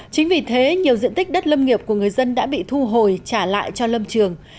chính vì thế nhiều diện tích đất lâm nghiệp của người dân đã bị thu hồi trả lại cho lâm trường